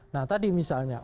nah tadi misalnya